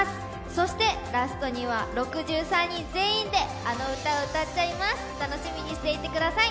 そしてラストには６３人全員で、あの歌を歌っちゃいます、楽しみにしていてください。